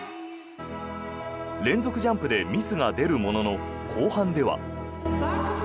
連続ジャンプでミスが出るものの、後半では。